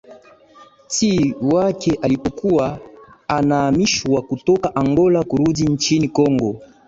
ti wake alipokuwa anahamishwa kutoka angola kurudi nchini congo